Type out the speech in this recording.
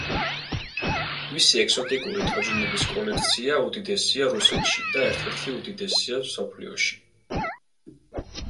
მისი ეგზოტიკური თოჯინების კოლექცია უდიდესია რუსეთში და ერთ-ერთი უდიდესია მსოფლიოში.